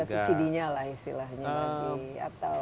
subsidi nya lah istilahnya atau